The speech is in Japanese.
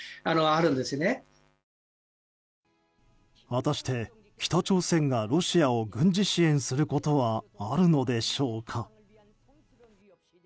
果たして、北朝鮮がロシアを軍事支援することはあるのでしょうか。